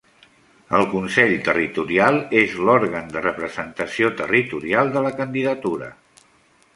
El Consell Territorial és l'òrgan de representació territorial de la candidatura.